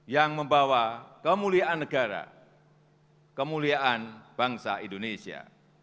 yang membawa kemuliaan negara kemuliaan bangsa indonesia